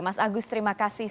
mas agus terima kasih